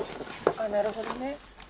なるほどね。